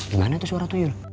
gimana tuh suara tuyul